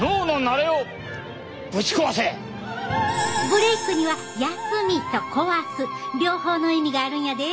ブレークには「休み」と「壊す」両方の意味があるんやで。